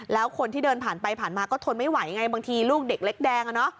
แล้วคนที่เดินผ่านไปผ่านมาก็ทนไม่ไหวไงบางทีลูกเด็กเล็กแดง